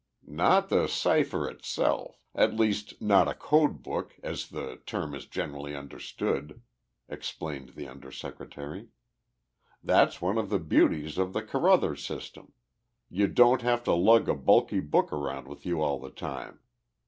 "Not the cipher itself at least not a code book as the term is generally understood," explained the Under Secretary. "That's one of the beauties of the Carruthers system. You don't have to lug a bulky book around with you all the time.